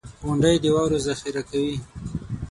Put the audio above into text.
• غونډۍ د واورو ذخېره کوي.